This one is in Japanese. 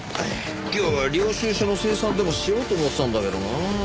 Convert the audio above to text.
今日は領収書の精算でもしようと思ってたんだけどな。